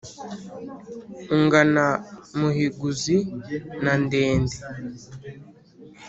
ungana muhiguzi na ndende